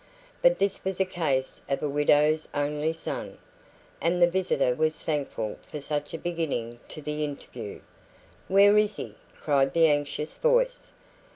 But this was a case of a widow's only son, and the visitor was thankful for such a beginning to the interview. "Where is he?" cried the anxious voice.